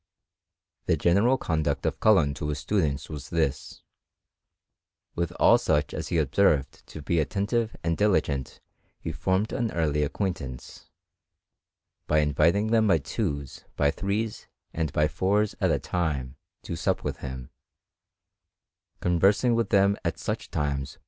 The general conduct of Cullen to his students was this: with all such as he observed to be attentive and diligent he formed an early acquaintance, by in viting them by twos, by threes, and by fours at a time to sup with him; conversing with them at such timQS • CHEMISTRY IN GREAT BRITAIN.